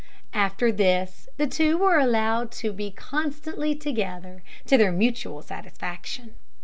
After this, the two were allowed to be constantly together, to their mutual satisfaction.